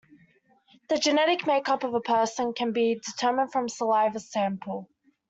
The genetic makeup of a person can be determined from a saliva sample.